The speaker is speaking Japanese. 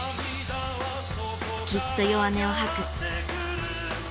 きっと弱音をはく。